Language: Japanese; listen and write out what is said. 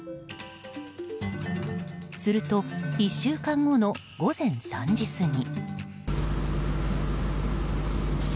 すると１週間後の午前３時過ぎ。